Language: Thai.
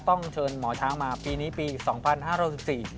ต้องเผชิญหมอช้างมาปีนี้ปีสองพิษภาค๑๕๖๔